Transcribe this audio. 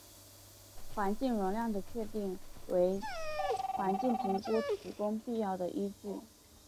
环境容量的确定为环境评价提供必要的依据。